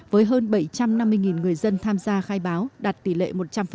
với hơn bảy trăm năm mươi người dân tham gia khai báo đạt tỷ lệ một trăm linh